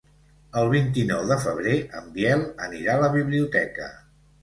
El vint-i-nou de febrer en Biel anirà a la biblioteca.